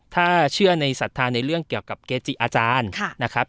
ถ้าเชื่อในศรัทธาในเรื่องเกี่ยวกับเกจิอาจารย์นะครับ